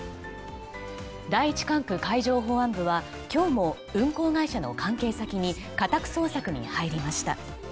第１管区海上保安部は今日も運航会社の関係先に家宅捜索に入りました。